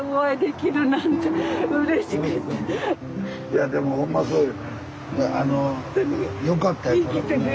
いやでもほんまそうよね。